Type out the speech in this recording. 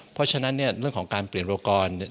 เพราะฉะนั้นเรื่องของการเปลี่ยนโรคกรณ์